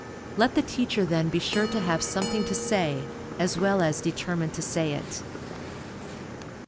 Let the teacher then be sure to have something to say, as well as determined to say it.